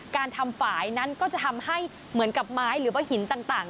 การทำฝ่ายนั้นก็จะทำให้เหมือนกับไม้หรือว่าหินต่าง